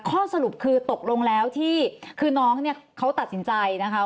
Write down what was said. ข้อสรุปคือตกลงแล้วที่คือน้องเนี่ยเขาตัดสินใจนะคะ